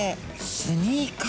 スニーカー？